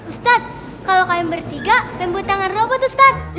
ustadz kalau kalian bertiga yang buat tangan robot ustadz